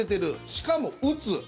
しかも打つ。